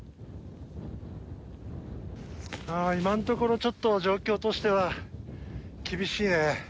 今のところちょっと状況としては厳しいね。